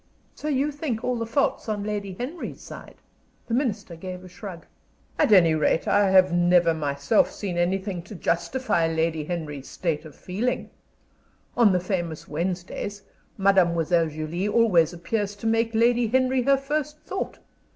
"So you think all the fault's on Lady Henry's side?" The Minister gave a shrug. "At any rate, I have never myself seen anything to justify Lady Henry's state of feeling. On the famous Wednesdays, Mademoiselle Julie always appears to make Lady Henry her first thought.